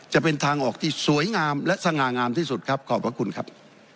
จะเป็นทางออกที่สวยงามและสง่างามที่สุดครับขอบพระคุณครับ